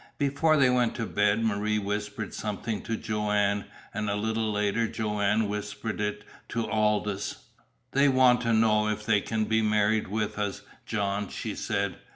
Before they went to bed Marie whispered something to Joanne, and a little later Joanne whispered it to Aldous. "They want to know if they can be married with us, John," she said.